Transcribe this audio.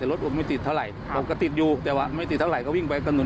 แต่รถเก่งอันสีฟ้าที่อยู่ข้างหลังผมนี้